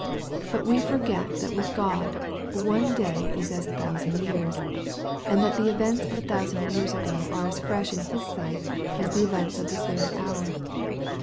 VBut we forget that with God "one day is as a thousand years'* and that the events of a thousand years ago are as fresh in His sight, as the events of this very hour.